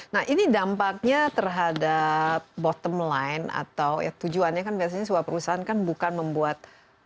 nah ini dampaknya terhadap bottom line atau tujuannya kan biasanya sebuah perusahaan kan bukan membuat